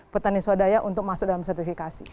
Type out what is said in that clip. petani swadaya untuk masuk dalam sertifikasi